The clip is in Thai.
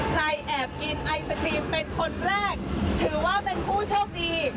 ใครแอบกินไอศครีมเป็นคนแรกถือว่าเป็นผู้โชคดี